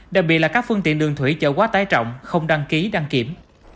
đặc biệt là các phương tiện đường thủy chở quá tải trọng không đăng ký đăng kiểm